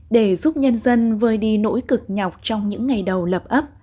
để giúp nhân dân vơi đi nỗi cực nhọc trong những ngày đầu lập ấp